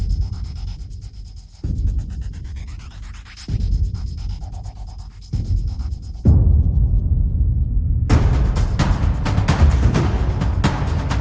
ติดตามต่อไป